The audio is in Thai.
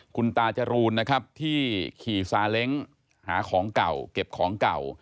คุณตาจรูนนะครับที่ขี่ซาเล้งหาของเก่าเก็บของเก่า